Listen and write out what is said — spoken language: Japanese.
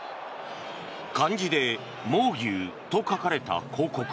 漢字で蒙牛と書かれた広告。